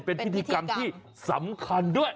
เป็นพิธีกรรมที่สำคัญด้วย